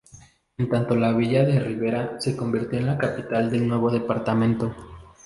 En tanto la villa de Rivera se convirtió en la capital del nuevo departamento.